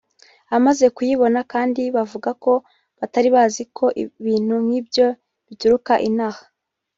abamaze kuyibona kandi bavuga ko batari bazi ko ibintu nk’ibyo bituruka inaha